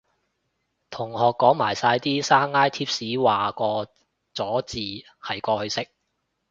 同學講埋晒啲山埃貼士話個咗字係過去式